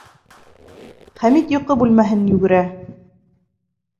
Хәмит йоҡо бүлмәһен йүгерә.